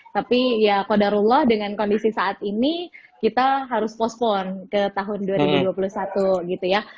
tapi ya kodarullah dengan kondisi saat ini kita harus postpone ke tahun dua ribu dua puluh satu gitu ya